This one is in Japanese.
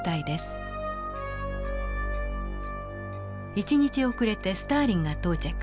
１日遅れてスターリンが到着。